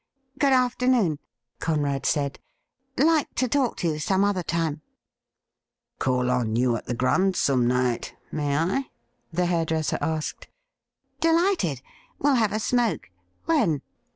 'Good afternoon,' Conrad said. 'Like to talk to you some other time.' ' Call on you at the Grand some night — may I .?' the hairdresser asked. ' Delighted ! We'll have a smoke. When